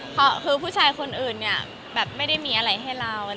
คือผู้ชายคนอื่นเนี่ยไม่ได้มีอะไรให้เรา